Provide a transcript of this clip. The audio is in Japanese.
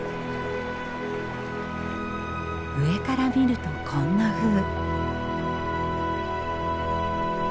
上から見るとこんなふう。